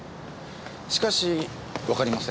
しかしわかりません。